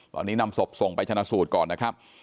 ตอนนี้นำศพส่งไปชนะสูตรก่อนนะครับ